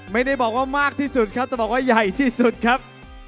ไม่ได้บอกว่ามากที่สุดครับจะบอกว่าใหญ่ที่สุดครับ